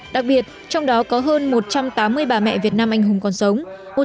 đặc biệt trong đó có hơn một trăm tám mươi bà mẹ việt nam anh hùng còn sống